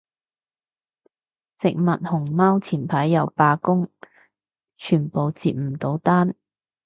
食物熊貓前排又罷工，全部接唔到單